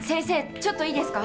ちょっといいですか？